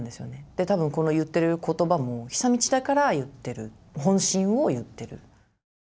で多分この言ってる言葉も久通だから言ってる本心を言ってる。